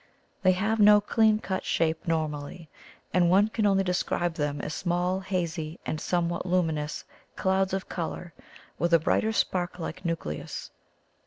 They have no clean cut shape normally, and one can only describe them as small, hazy, and somewhat luminous clouds of colour with a brighter spark like nucleus.